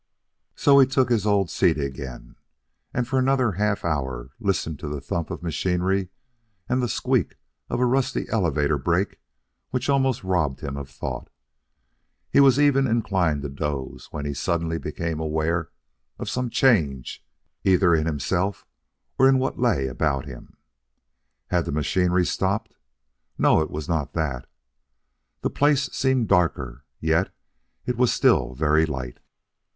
So he took his old seat again and for another half hour listened to the thump of machinery and the squeak of a rusty elevator brake which almost robbed him of thought. He was even inclined to doze, when he suddenly became aware of some change either in himself or in what lay about him. Had the machinery stopped? No, it was not that. The place seemed darker, yet it was still very light.